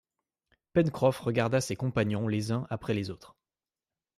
Pencroff regarda ses compagnons les uns après les autres